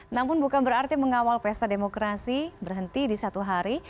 namun bukan berarti mengawal pesta demokrasi berhenti di satu hari